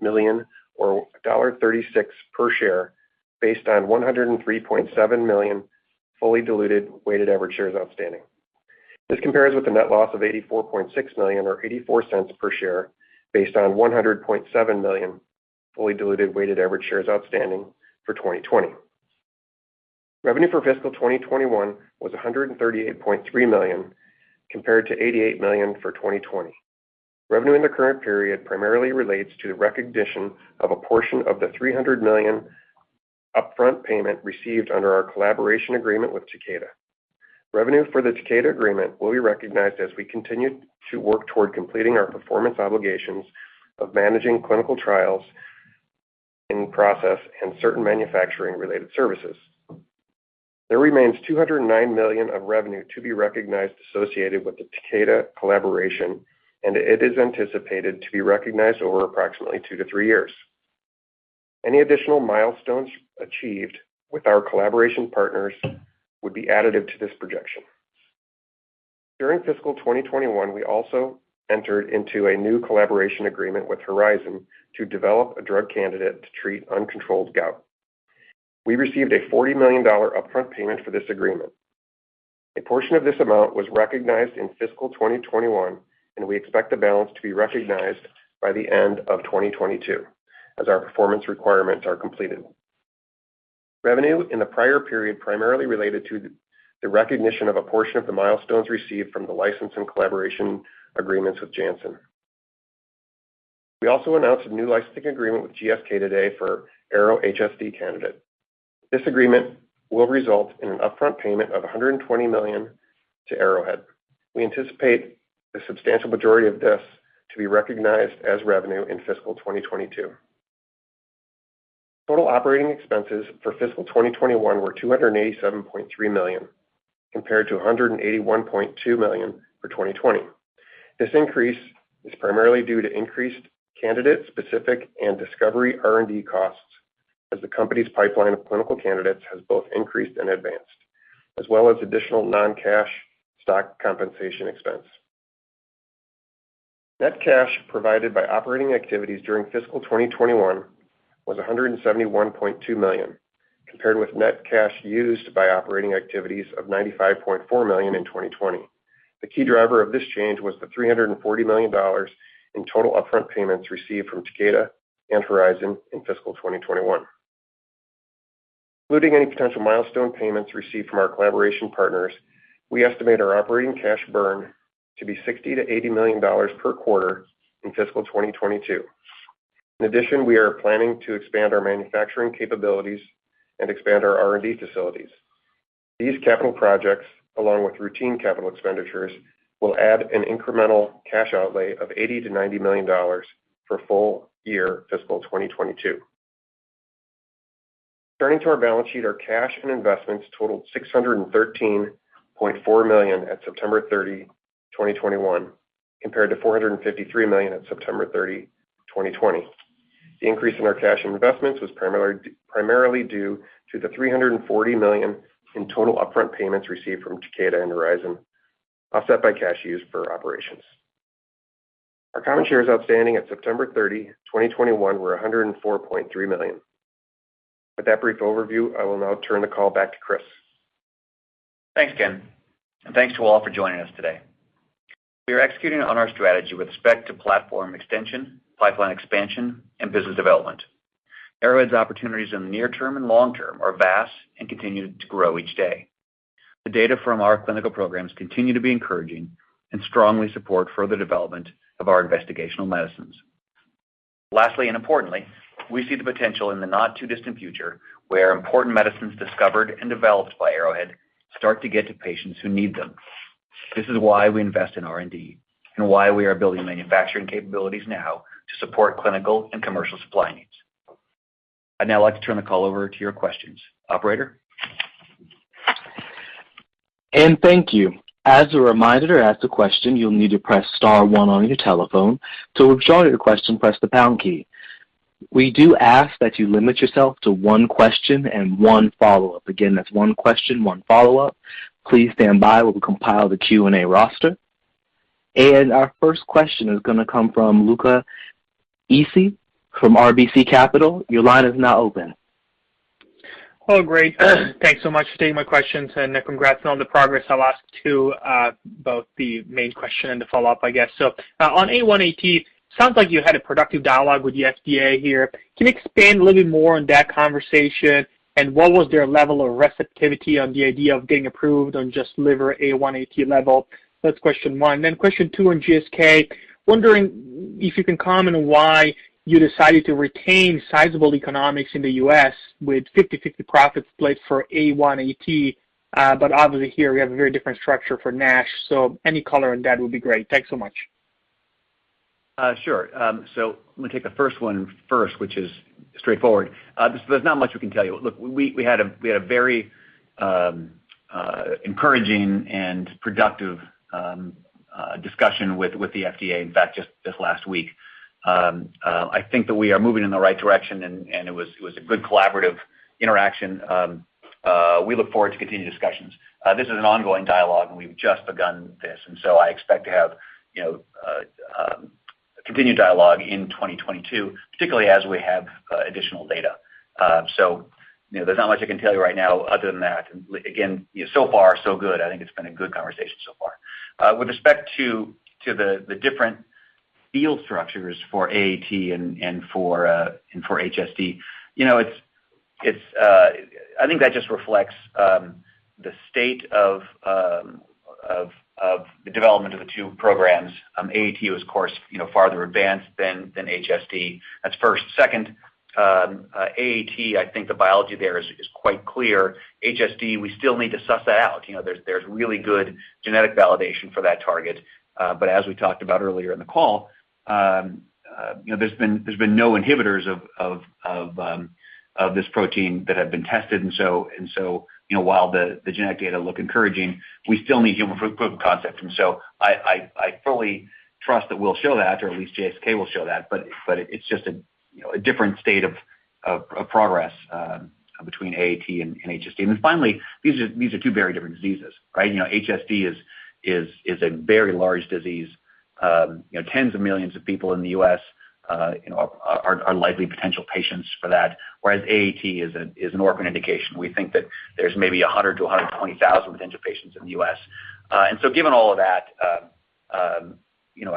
Speaker 5: million or $1.36 per share, based on 103.7 million fully diluted weighted average shares outstanding. This compares with the net loss of $84.6 million or $0.84 per share based on 100.7 million fully diluted weighted average shares outstanding for 2020. Revenue for fiscal 2021 was $138.3 million, compared to $88 million for 2020. Revenue in the current period primarily relates to the recognition of a portion of the $300 million upfront payment received under our collaboration agreement with Takeda. Revenue for the Takeda agreement will be recognized as we continue to work toward completing our performance obligations of managing clinical trials in process and certain manufacturing-related services. There remains $209 million of revenue to be recognized associated with the Takeda collaboration, and it is anticipated to be recognized over approximately 2-3 years. Any additional milestones achieved with our collaboration partners would be additive to this projection. During fiscal 2021, we also entered into a new collaboration agreement with Horizon to develop a drug candidate to treat uncontrolled gout. We received a $40 million upfront payment for this agreement. A portion of this amount was recognized in fiscal 2021, and we expect the balance to be recognized by the end of 2022 as our performance requirements are completed. Revenue in the prior period primarily related to the recognition of a portion of the milestones received from the license and collaboration agreements with Janssen. We also announced a new licensing agreement with GSK today for ARO-HSD candidate. This agreement will result in an upfront payment of $120 million to Arrowhead. We anticipate the substantial majority of this to be recognized as revenue in fiscal 2022. Total operating expenses for fiscal 2021 were $287.3 million, compared to $181.2 million for 2020. This increase is primarily due to increased candidate specific and discovery R&D costs as the company's pipeline of clinical candidates has both increased and advanced, as well as additional non-cash stock compensation expense. Net cash provided by operating activities during fiscal 2021 was $171.2 million, compared with net cash used by operating activities of $95.4 million in 2020. The key driver of this change was the $340 million in total upfront payments received from Takeda and Horizon in fiscal 2021. Including any potential milestone payments received from our collaboration partners, we estimate our operating cash burn to be $60 million-$80 million per quarter in fiscal 2022. In addition, we are planning to expand our manufacturing capabilities and expand our R&D facilities. These capital projects, along with routine capital expenditures, will add an incremental cash outlay of $80 million-$90 million for full year fiscal 2022. Turning to our balance sheet, our cash and investments totaled $613.4 million at September 30, 2021, compared to $453 million at September 30, 2020. The increase in our cash and investments was primarily due to the $340 million in total upfront payments received from Takeda and Horizon, offset by cash used for operations. Our common shares outstanding at September 30, 2021 were 104.3 million. With that brief overview, I will now turn the call back to Chris.
Speaker 3: Thanks, Ken, and thanks to all for joining us today. We are executing on our strategy with respect to platform extension, pipeline expansion, and business development. Arrowhead's opportunities in the near term and long term are vast and continue to grow each day. The data from our clinical programs continue to be encouraging and strongly support further development of our investigational medicines. Lastly, and importantly, we see the potential in the not-too-distant future where important medicines discovered and developed by Arrowhead start to get to patients who need them. This is why we invest in R&D and why we are building manufacturing capabilities now to support clinical and commercial supply needs. I'd now like to turn the call over to your questions. Operator?
Speaker 1: Thank you. As a reminder, to ask a question, you'll need to press star one on your telephone. To withdraw your question, press the pound key. We do ask that you limit yourself to one question and one follow-up. Again, that's one question, one follow-up. Please stand by while we compile the Q&A roster. Our first question is gonna come from Luca Issi from RBC Capital Markets. Your line is now open.
Speaker 6: Hello, great. Thanks so much for taking my questions, and congrats on the progress. I'll ask 2, both the main question and the follow-up, I guess. On A1AT, sounds like you had a productive dialogue with the FDA here. Can you expand a little bit more on that conversation, and what was their level of receptivity on the idea of getting approved on just liver A1AT level? That's question one. Question two on GSK. Wondering if you can comment on why you decided to retain sizable economics in the U.S. with 50/50 profits split for A1AT, but obviously here you have a very different structure for NASH. Any color on that would be great. Thanks so much.
Speaker 3: Sure. So I'm gonna take the first one first, which is straightforward. There's not much we can tell you. Look, we had a very encouraging and productive discussion with the FDA, in fact, just this last week. I think that we are moving in the right direction and it was a good collaborative interaction. We look forward to continued discussions. This is an ongoing dialogue and we've just begun this, so I expect to have continued dialogue in 2022, particularly as we have additional data. You know, there's not much I can tell you right now other than that. Again, you know, so far so good. I think it's been a good conversation so far. With respect to the different field structures for AAT and for HSD, you know, it's. I think that just reflects the state of the development of the two programs. AAT was of course, you know, farther advanced than HSD. That's first. Second, AAT, I think the biology there is quite clear. HSD, we still need to suss that out. You know, there's really good genetic validation for that target, but as we talked about earlier in the call, you know, there's been no inhibitors of this protein that have been tested. You know, while the genetic data look encouraging, we still need human proof of concept. I fully trust that we'll show that, or at least GSK will show that. It's just a, you know, a different state of progress between AAT and HSD. Finally, these are two very different diseases, right? You know, HSD is a very large disease. You know, tens of millions of people in the U.S., you know, are likely potential patients for that, whereas AAT is an orphan indication. We think that there's maybe 100-120,000 potential patients in the U.S. Given all of that, you know,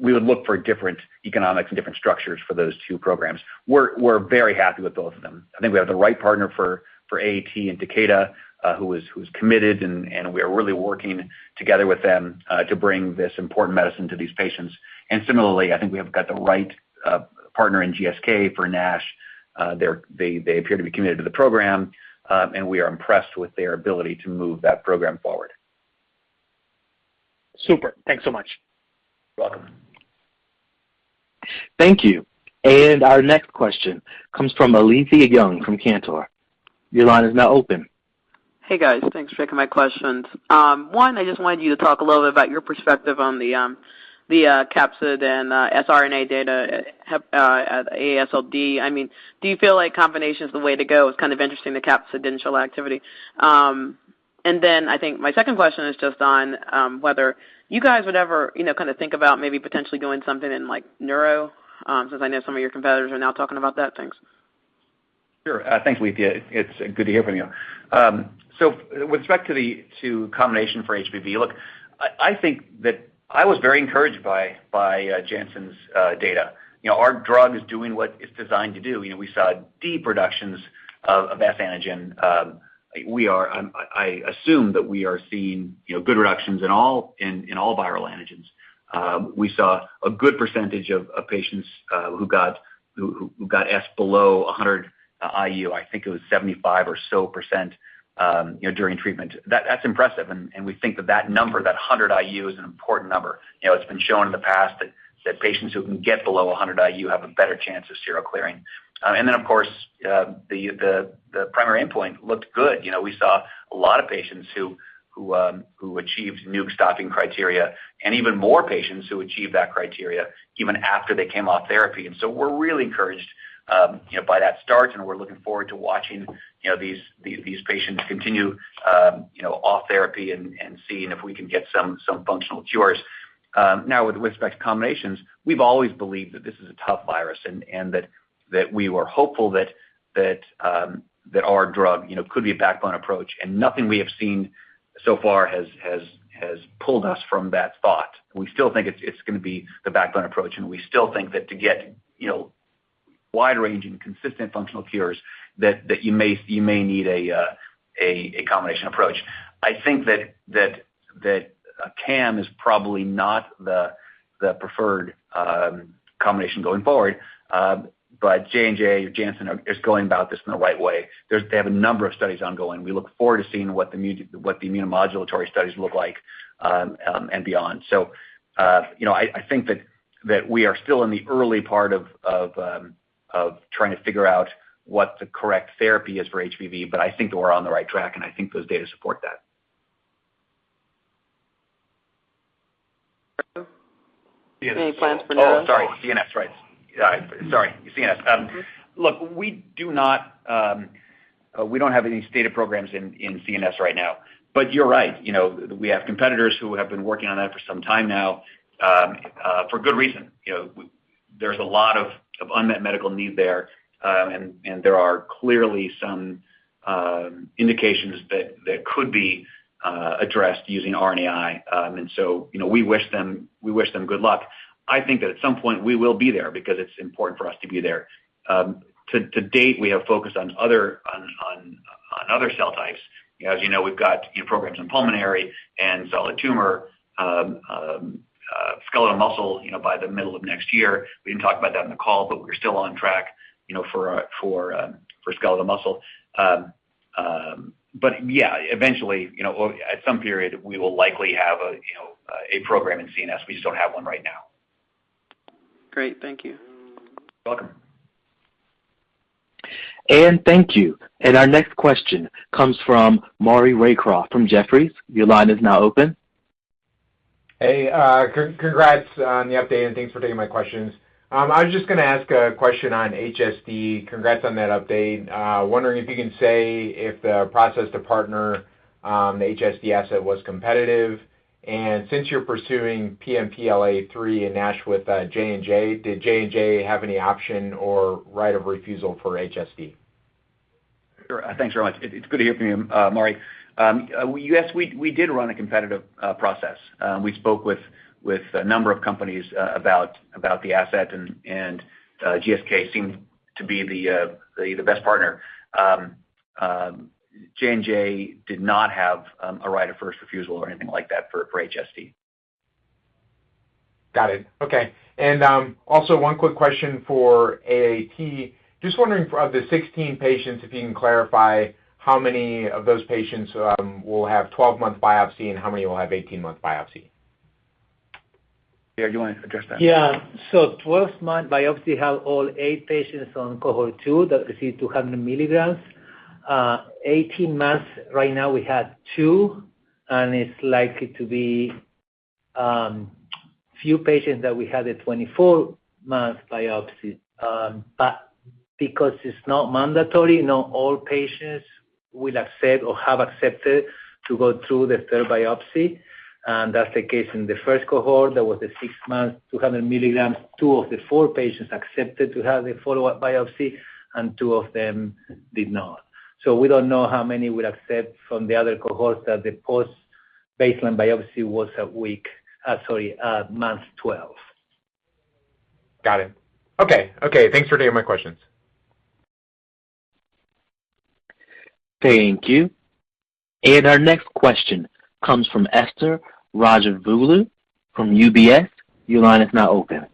Speaker 3: we would look for different economics and different structures for those two programs. We're very happy with both of them. I think we have the right partner for AAT in Takeda, who is committed, and we are really working together with them to bring this important medicine to these patients. Similarly, I think we have got the right partner in GSK for NASH. They appear to be committed to the program, and we are impressed with their ability to move that program forward.
Speaker 6: Super. Thanks so much.
Speaker 3: You're welcome.
Speaker 1: Thank you. Our next question comes from Alethia Young from Cantor. Your line is now open.
Speaker 7: Hey, guys. Thanks for taking my questions. One, I just wanted you to talk a little bit about your perspective on the capsid and siRNA data at AASLD. I mean, do you feel like combination is the way to go? It's kind of interesting, the capsid initial activity. I think my second question is just on whether you guys would ever, you know, kind of think about maybe potentially doing something in, like, neuro, since I know some of your competitors are now talking about that. Thanks.
Speaker 3: Sure. Thanks, Alethia. It's good to hear from you. With respect to the combination for HBV, look, I think that I was very encouraged by Janssen's data. You know, our drug is doing what it's designed to do. You know, we saw deep reductions of S antigen. I assume that we are seeing good reductions in all viral antigens. We saw a good percentage of patients who got S below 100 IU. I think it was 75% or so during treatment. That's impressive, and we think that that number, that 100 IU, is an important number. You know, it's been shown in the past that patients who can get below 100 IU have a better chance of seroclearing. Of course, the primary endpoint looked good. You know, we saw a lot of patients who achieved nuke stopping criteria and even more patients who achieved that criteria even after they came off therapy. We're really encouraged, you know, by that start, and we're looking forward to watching, you know, these patients continue, you know, off therapy and seeing if we can get some functional cures. Now with respect to combinations, we've always believed that this is a tough virus and that we were hopeful that our drug, you know, could be a backbone approach. Nothing we have seen so far has pulled us from that thought. We still think it's gonna be the backbone approach, and we still think that to get, you know, wide range and consistent functional cures, that you may need a combination approach. I think that CAM is probably not the preferred combination going forward. But J&J, Janssen is going about this in the right way. They have a number of studies ongoing. We look forward to seeing what the immunomodulatory studies look like, and beyond. You know, I think that we are still in the early part of trying to figure out what the correct therapy is for HBV, but I think we're on the right track, and I think those data support that.
Speaker 7: Any plans for neuros?
Speaker 3: Oh, sorry. CNS, right. Yeah, sorry. CNS. Look, we do not, we don't have any stated programs in CNS right now. You're right, you know, we have competitors who have been working on that for some time now, for good reason. You know, there's a lot of unmet medical need there, and there are clearly some indications that could be addressed using RNAi. You know, we wish them good luck. I think that at some point we will be there because it's important for us to be there. To date, we have focused on other cell types. As you know, we've got programs in pulmonary and solid tumor, skeletal muscle, you know, by the middle of next year. We didn't talk about that in the call, but we're still on track, you know, for skeletal muscle. Yeah, eventually, you know, at some period, we will likely have a program in CNS. We just don't have one right now.
Speaker 7: Great. Thank you.
Speaker 3: You're welcome.
Speaker 1: Thank you. Our next question comes from Maury Raycroft from Jefferies. Your line is now open.
Speaker 8: Hey. Congrats on the update, and thanks for taking my questions. I was just gonna ask a question on HSD. Congrats on that update. Wondering if you can say if the process to partner the HSD asset was competitive. Since you're pursuing PNPLA3 and NASH with J&J, did J&J have any option or right of refusal for HSD?
Speaker 3: Sure. Thanks very much. It's good to hear from you, Maury. Yes, we did run a competitive process. We spoke with a number of companies about the asset and GSK seemed to be the best partner. J&J did not have a right of first refusal or anything like that for HSD.
Speaker 8: Got it. Okay. Also one quick question for AAT. Just wondering of the 16 patients, if you can clarify how many of those patients will have 12-month biopsy and how many will have 18-month biopsy?
Speaker 3: Javier, you want to address that?
Speaker 4: Yeah. 12-month biopsy have all eight patients on cohort two that received 200 milligrams. 18 months right now we have two, and it's likely to be few patients that we have a 24-month biopsy. Because it's not mandatory, not all patients will accept or have accepted to go through the third biopsy, and that's the case in the first cohort. That was a 6-month, 200 milligrams, two of the four patients accepted to have a follow-up biopsy, and two of them did not. We don't know how many will accept from the other cohorts that the post-baseline biopsy was at month 12.
Speaker 8: Got it. Okay. Okay, thanks for taking my questions.
Speaker 1: Thank you. Our next question comes from Ashwani Verma from UBS. Your line is now open.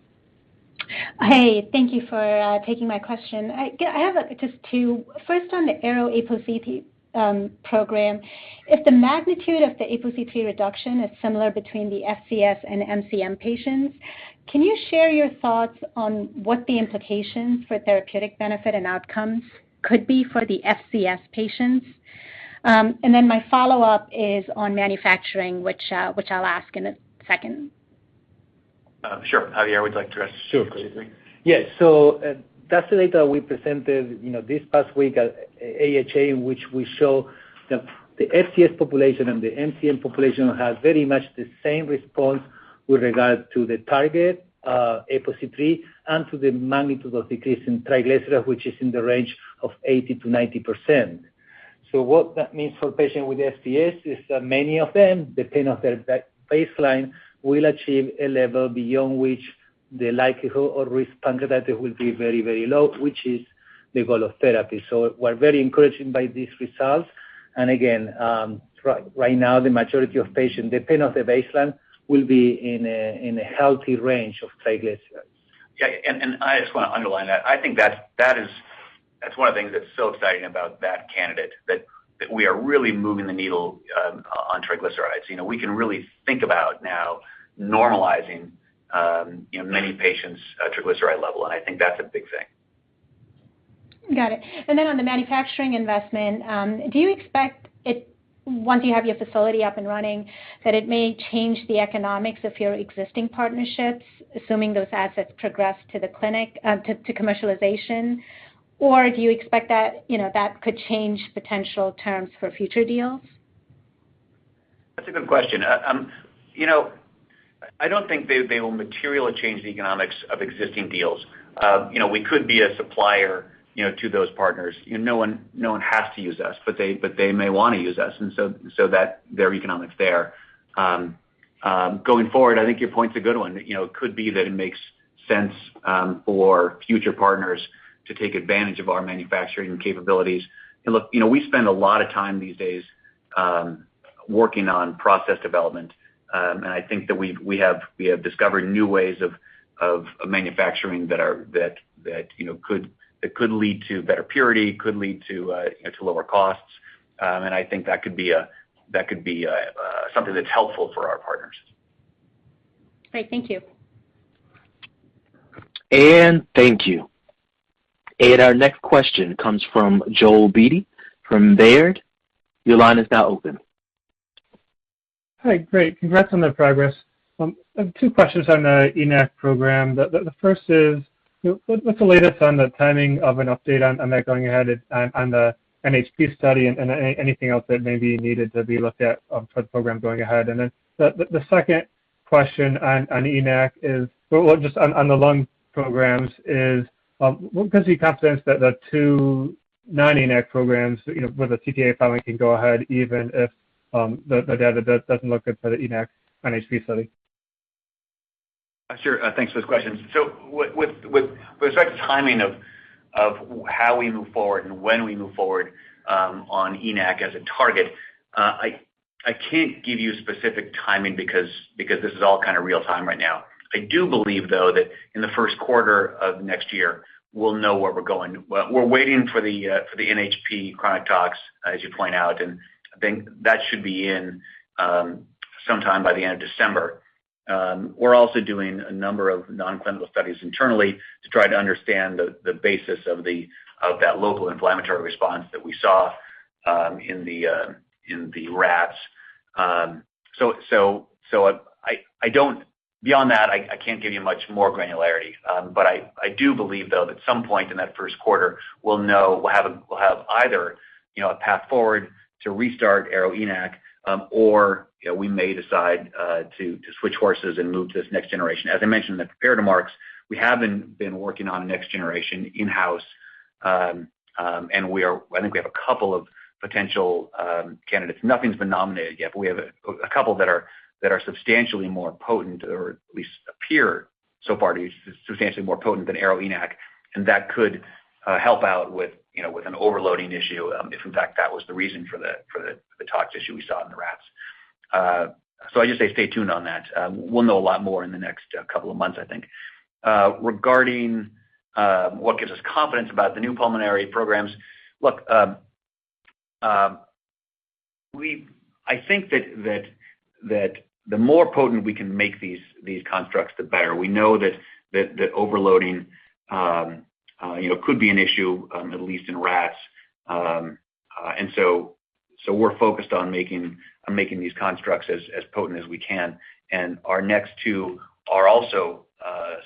Speaker 9: Hey, thank you for taking my question. I have just two. First, on the ARO-APOC3 program, if the magnitude of the APOC3 reduction is similar between the FCS and MCM patients, can you share your thoughts on what the implications for therapeutic benefit and outcomes could be for the FCS patients? Then my follow-up is on manufacturing, which I'll ask in a second.
Speaker 3: Sure. Javier, would you like to address this?
Speaker 4: Yes. That's the data we presented, you know, this past week at AHA, in which we show that the FCS population and the MCM population have very much the same response with regard to the target, APOC3, and to the magnitude of decrease in triglyceride, which is in the range of 80%-90%. What that means for a patient with FCS is that many of them, depending on their baseline, will achieve a level beyond which the likelihood or risk of pancreatitis will be very, very low, which is the goal of therapy. We're very encouraged by these results. Again, right now, the majority of patients, depending on their baseline, will be in a healthy range of triglycerides.
Speaker 3: Yeah. I just wanna underline that. I think that's one of the things that's so exciting about that candidate, that we are really moving the needle on triglycerides. You know, we can really think about now normalizing, you know, many patients' triglyceride level. I think that's a big thing.
Speaker 9: Got it. On the manufacturing investment, do you expect it, once you have your facility up and running, that it may change the economics of your existing partnerships, assuming those assets progress to the clinic, to commercialization? Or do you expect that, you know, that could change potential terms for future deals?
Speaker 3: That's a good question. You know, I don't think they will materially change the economics of existing deals. You know, we could be a supplier, you know, to those partners. You know, no one has to use us, but they may wanna use us, so that their economics there. Going forward, I think your point's a good one. You know, it could be that it makes sense for future partners to take advantage of our manufacturing capabilities. Look, you know, we spend a lot of time these days working on process development. I think that we have discovered new ways of manufacturing that could lead to better purity, could lead to, you know, to lower costs. I think that could be something that's helpful for our partners.
Speaker 9: Great. Thank you.
Speaker 1: Thank you. Our next question comes from Joel Beatty from Baird. Your line is now open.
Speaker 10: Hi. Great. Congrats on the progress. I have two questions on the ENaC program. The first is, you know, what's the latest on the timing of an update on that going ahead on the NHP study and anything else that may be needed to be looked at for the program going ahead? The second question on ENaC is, or just on the lung programs is, what gives you confidence that the two non-ENaC programs, you know, with the CTA filing can go ahead even if the data doesn't look good for the ENaC NHP study?
Speaker 3: Sure. Thanks for those questions. With respect to timing of how we move forward and when we move forward on ENaC as a target, I can't give you specific timing because this is all kind of real time right now. I do believe, though, that in the first quarter of next year, we'll know where we're going. Well, we're waiting for the NHP chronic tox, as you point out, and I think that should be in sometime by the end of December. We're also doing a number of non-clinical studies internally to try to understand the basis of that local inflammatory response that we saw in the rats. Beyond that, I can't give you much more granularity. I do believe though that at some point in that first quarter we'll know, we'll have either, you know, a path forward to restart ARO-ENaC, or, you know, we may decide to switch horses and move to this next-generation. As I mentioned in the comparative arms, we have been working on next-generation in-house. I think we have a couple of potential candidates. Nothing's been nominated yet, but we have a couple that are substantially more potent or at least appear so far to be substantially more potent than ARO-ENaC, and that could help out with, you know, with an overloading issue, if in fact that was the reason for the tox issue we saw in the rats. I just say stay tuned on that. We'll know a lot more in the next couple of months, I think. Regarding what gives us confidence about the new pulmonary programs, look, I think that the more potent we can make these constructs, the better. We know that overloading, you know, could be an issue at least in rats. We're focused on making these constructs as potent as we can. Our next two are also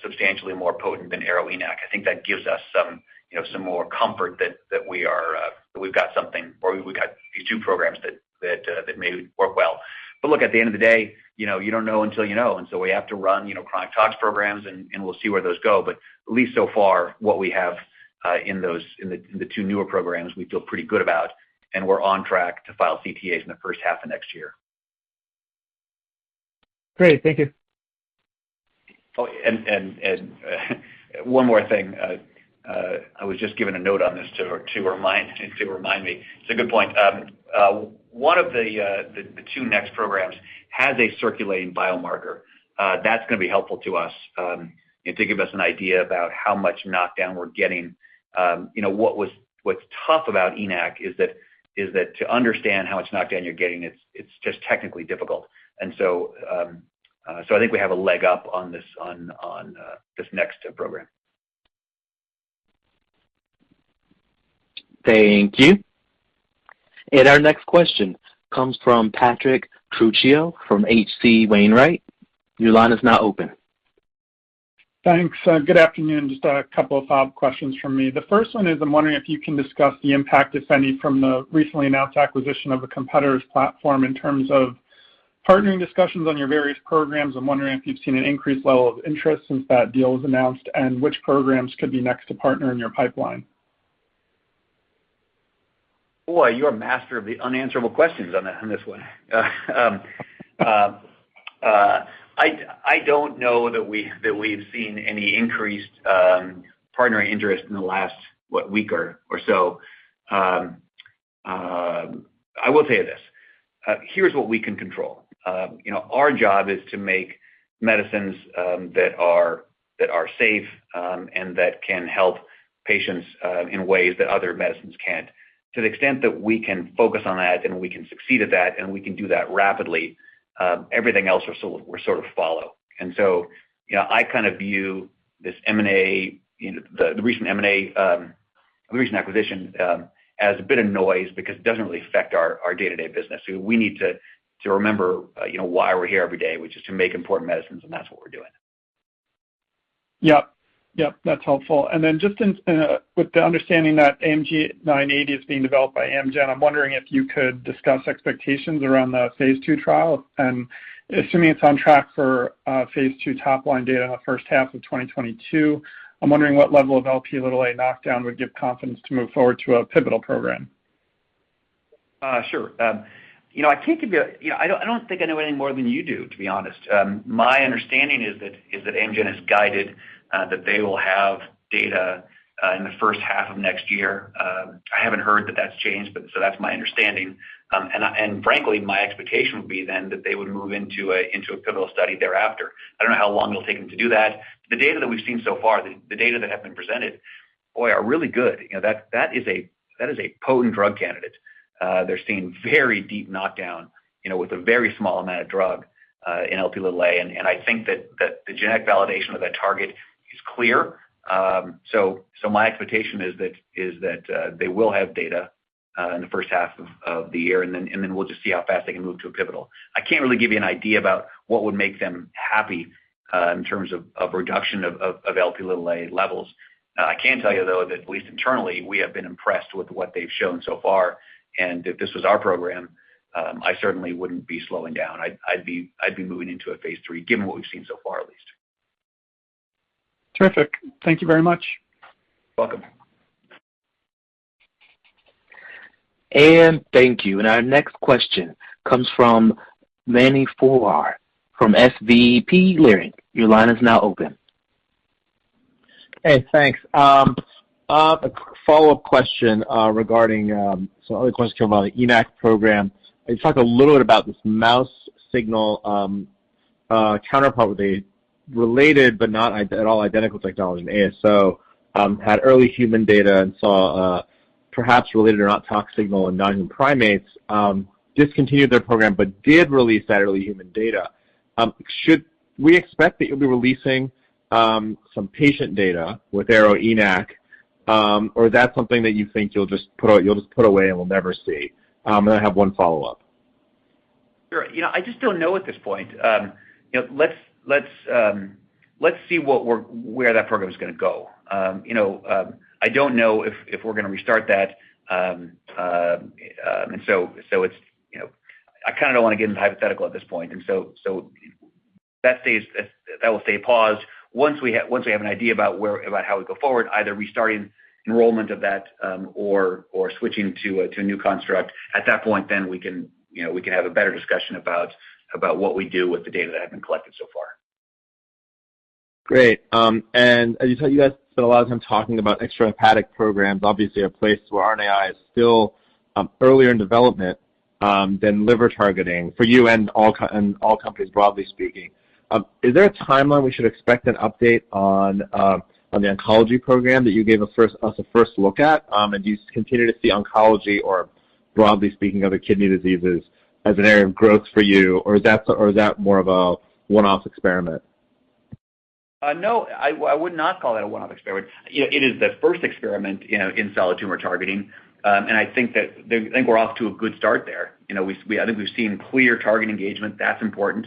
Speaker 3: substantially more potent than ARO-ENaC. I think that gives us some, you know, some more comfort that we've got something or we've got these two programs that may work well. Look, at the end of the day, you know, you don't know until you know. We have to run, you know, chronic tox programs, and we'll see where those go. At least so far, what we have in those in the two newer programs, we feel pretty good about, and we're on track to file CTAs in the first half of next year.
Speaker 10: Great. Thank you.
Speaker 3: Oh, one more thing. I was just given a note on this to remind me. It's a good point. One of the two next programs has a circulating biomarker. That's gonna be helpful to us, and to give us an idea about how much knockdown we're getting. What's tough about ENaC is that to understand how much knockdown you're getting, it's just technically difficult. I think we have a leg up on this next program.
Speaker 1: Thank you. Our next question comes from Patrick Trucchio from H.C. Wainwright. Your line is now open.
Speaker 11: Thanks. Good afternoon. Just a couple of follow-up questions from me. The first one is I'm wondering if you can discuss the impact, if any, from the recently announced acquisition of a competitor's platform in terms of partnering discussions on your various programs. I'm wondering if you've seen an increased level of interest since that deal was announced, and which programs could be next to partner in your pipeline.
Speaker 3: Boy, you're a master of the unanswerable questions on this one. I don't know that we've seen any increased partnering interest in the last week or so. I will tell you this. Here's what we can control. You know, our job is to make medicines that are safe and that can help patients in ways that other medicines can't. To the extent that we can focus on that and we can succeed at that and we can do that rapidly, everything else will sort of follow. You know, I kind of view this M&A, the recent M&A, the recent acquisition, as a bit of noise because it doesn't really affect our day-to-day business. We need to remember, you know, why we're here every day, which is to make important medicines, and that's what we're doing.
Speaker 11: Yep. Yep, that's helpful. Then just in, with the understanding that AMG 890 is being developed by Amgen, I'm wondering if you could discuss expectations around the phase II trial. Assuming it's on track for phase II top-line data in the first half of 2022, I'm wondering what level of Lp(a) knockdown would give confidence to move forward to a pivotal program.
Speaker 3: Sure. You know, I can't give you... You know, I don't think I know any more than you do, to be honest. My understanding is that Amgen has guided that they will have data in the first half of next year. I haven't heard that that's changed, but that's my understanding. Frankly, my expectation would be that they would move into a pivotal study thereafter. I don't know how long it'll take them to do that. The data that we've seen so far, the data that have been presented, boy, are really good. You know, that is a potent drug candidate. They're seeing very deep knockdown, you know, with a very small amount of drug in Lp(a). I think that the genetic validation of that target is clear. So my expectation is that they will have data in the first half of the year, and then we'll just see how fast they can move to a pivotal. I can't really give you an idea about what would make them happy in terms of Lp(a) levels. I can tell you though that at least internally, we have been impressed with what they've shown so far. If this was our program, I certainly wouldn't be slowing down. I'd be moving into a phase III, given what we've seen so far at least.
Speaker 11: Terrific. Thank you very much.
Speaker 3: Welcome.
Speaker 1: Thank you. Our next question comes from Mani Foroohar from SVB Leerink. Your line is now open.
Speaker 12: Hey, thanks. A follow-up question regarding some other questions came about the ARO-ENaC program. You talked a little bit about this mouse signal counterpart with a related but not identical at all technology. ASO had early human data and saw perhaps related or not tox signal in non-human primates, discontinued their program but did release that early human data. Should we expect that you'll be releasing some patient data with ARO-ENaC? Or is that something that you think you'll just put away and we'll never see? And I have one follow-up.
Speaker 3: Sure. You know, I just don't know at this point. You know, let's see where that program is gonna go. You know, I don't know if we're gonna restart that. It's, you know, I kinda don't wanna get into hypotheticals at this point. That will stay paused. Once we have an idea about where, about how we go forward, either restarting enrollment of that, or switching to a new construct, at that point then we can, you know, we can have a better discussion about what we do with the data that have been collected so far.
Speaker 12: Great. As you can tell, you guys spend a lot of time talking about extrahepatic programs, obviously a place where RNAi is still earlier in development than liver targeting for you and all companies, broadly speaking. Is there a timeline we should expect an update on the oncology program that you gave us a first look at? Do you continue to see oncology or, broadly speaking, other kidney diseases as an area of growth for you? Or is that more of a one-off experiment?
Speaker 3: No, I would not call that a one-off experiment. You know, it is the first experiment, you know, in solid tumor targeting. I think we're off to a good start there. You know we, I think we've seen clear target engagement. That's important.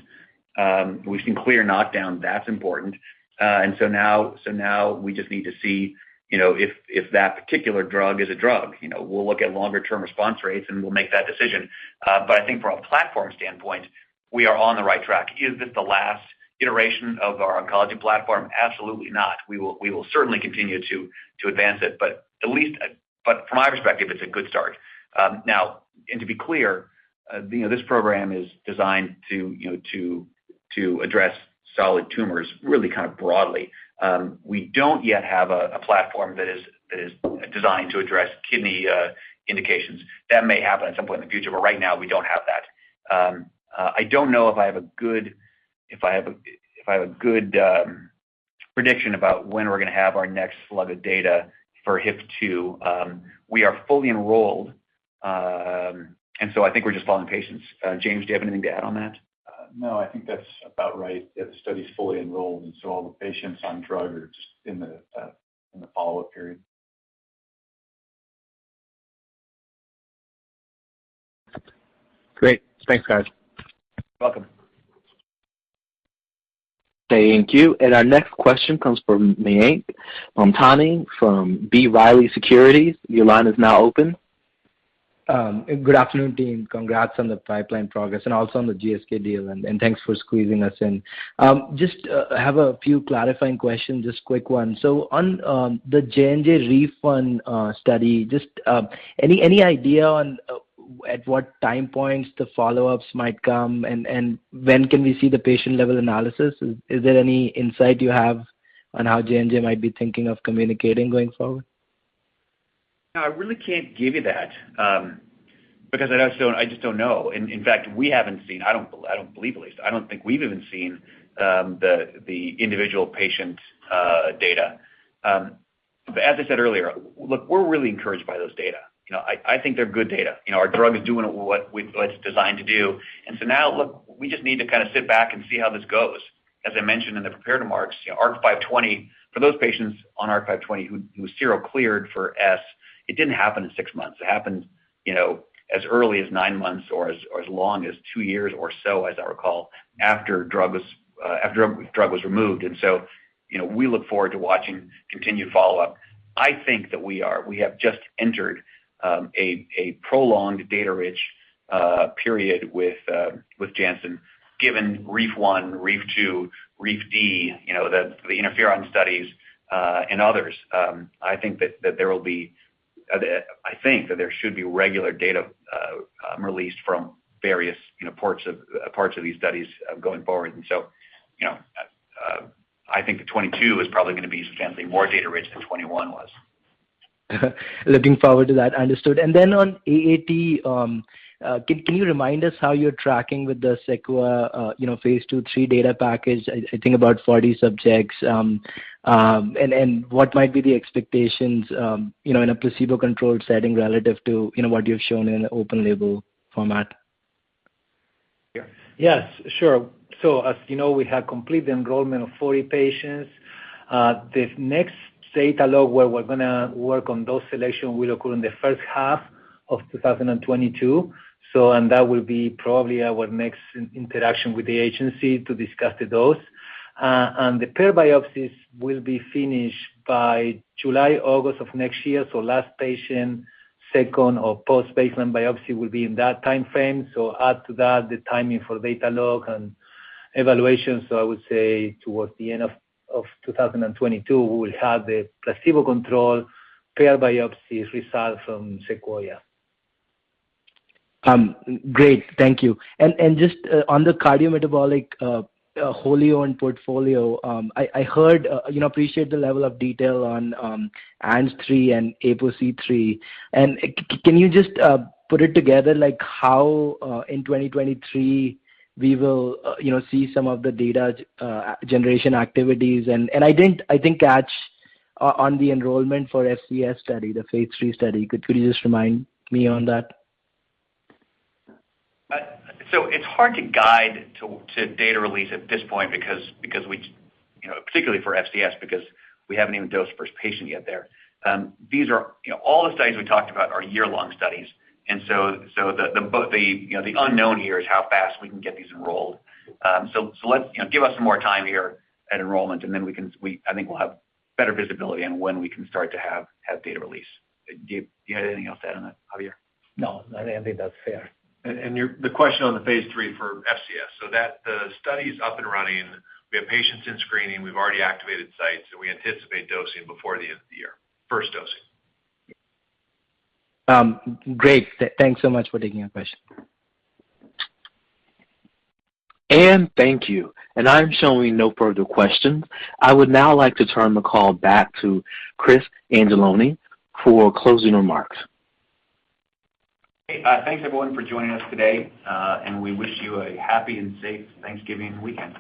Speaker 3: We've seen clear knockdown. That's important. So now we just need to see, you know, if that particular drug is a drug. You know, we'll look at longer-term response rates, and we'll make that decision. But I think from a platform standpoint, we are on the right track. Is this the last iteration of our oncology platform? Absolutely not. We will certainly continue to advance it, but at least from my perspective, it's a good start. Now, to be clear, you know, this program is designed to, you know, to address solid tumors really kind of broadly. We don't yet have a platform that is designed to address kidney indications. That may happen at some point in the future, but right now we don't have that. I don't know if I have a good prediction about when we're gonna have our next slug of data for HIF-2α. We are fully enrolled. I think we're just following patients. James, do you have anything to add on that?
Speaker 13: No, I think that's about right. The study's fully enrolled, and so all the patients on drug are just in the follow-up period.
Speaker 12: Great. Thanks, guys.
Speaker 3: Welcome.
Speaker 1: Thank you. Our next question comes from Mayank Mamtani from B. Riley Securities. Your line is now open.
Speaker 14: Good afternoon, team. Congrats on the pipeline progress and also on the GSK deal, and thanks for squeezing us in. Just have a few clarifying questions, just quick ones. On the J&J REEF-1 study, any idea on at what time points the follow-ups might come, and when can we see the patient-level analysis? Is there any insight you have on how J&J might be thinking of communicating going forward?
Speaker 3: No, I really can't give you that, because I just don't know. In fact, we haven't seen the individual patient data, at least I don't believe. I don't think we've even seen it. But as I said earlier, look, we're really encouraged by those data. You know, I think they're good data. You know, our drug is doing what it's designed to do. Now look, we just need to kinda sit back and see how this goes. As I mentioned in the prepared remarks, you know, ARC-520, for those patients on ARC-520 who sero-cleared for S, it didn't happen in six months. It happened, you know, as early as 9 months or as long as two years or so as I recall after drug was removed. We look forward to watching continued follow-up. I think that we have just entered a prolonged data-rich period with Janssen, given REEF-1, REEF-2, you know, the interferon studies, and others. I think that there should be regular data released from various, you know, parts of these studies, going forward. I think 2022 is probably gonna be substantially more data rich than 2021 was.
Speaker 14: Looking forward to that. Understood. On AAT, can you remind us how you're tracking with the SEQUOIA, you know, phase II/III data package? I think about 40 subjects. And what might be the expectations, you know, in a placebo-controlled setting relative to, you know, what you've shown in open label format?
Speaker 4: Yes. Sure. As you know, we have completed the enrollment of 40 patients. The next data lock where we're gonna work on dose selection will occur in the first half of 2022. And that will be probably our next interaction with the agency to discuss the dose. And the paired biopsies will be finished by July, August of next year. Last patient, second or post-baseline biopsy will be in that timeframe. Add to that the timing for data lock and evaluation. I would say towards the end of 2022, we will have the placebo-controlled paired biopsies results from SEQUOIA.
Speaker 14: Great. Thank you. Just on the cardiometabolic our own portfolio. I heard. You know, appreciate the level of detail on ARO-ANG3 and ARO-APOC3. Can you just put it together like how in 2023 we will, you know, see some of the data generation activities? I didn't catch on the enrollment for the FCS study, the phase III study. Could you just remind me on that?
Speaker 3: It's hard to guide to data release at this point because, you know, particularly for FCS because we haven't even dosed first patient yet there. You know, all the studies we talked about are year-long studies. The unknown here is how fast we can get these enrolled. You know, give us some more time here at enrollment, and then we can. I think we'll have better visibility on when we can start to have data release. Do you have anything else to add on that, Javier?
Speaker 4: No. No, I think that's fair.
Speaker 3: The question on the phase III for FCS. That study's up and running. We have patients in screening. We've already activated sites, and we anticipate dosing before the end of the year, first dosing.
Speaker 14: Great. Thanks so much for taking our question.
Speaker 1: Thank you. I'm showing no further questions. I would now like to turn the call back to Chris Anzalone for closing remarks.
Speaker 3: Hey, thanks everyone for joining us today. We wish you a happy and safe Thanksgiving weekend.